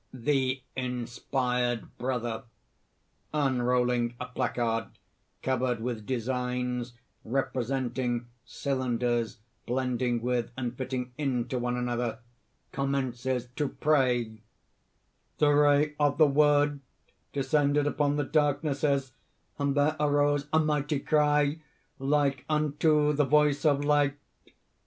_) THE INSPIRED BROTHER (_unrolling a placard covered with designs representing cylinders blending with and fitting into one another, commences to pray_:) "The ray of the Word descended upon the darknesses; and there arose a mighty cry, like unto the voice of Light."